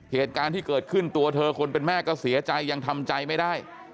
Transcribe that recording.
เหตุการณ์ที่เกิดขึ้นตัวเธอคนเป็นแม่ก็เสียใจยังทำใจไม่ได้